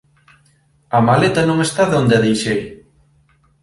A maleta non está onde a deixei.